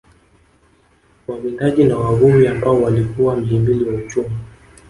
Wawindaji na wavuvi ambao walikuwa mhimili wa uchumi